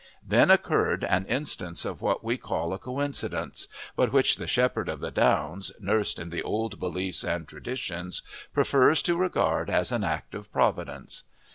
Then occurred an instance of what we call a coincidence, but which the shepherd of the downs, nursed in the old beliefs and traditions, prefers to regard as an act of providence.